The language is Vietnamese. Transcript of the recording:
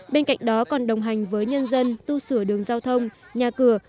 bên cạnh đó còn đồng hành với nhân dân tu sửa đường giao thông nhà cửa